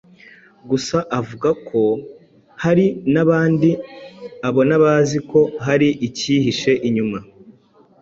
Gusa avuga ko hari n'abandi abona bazi ko hari icyihishe inyuma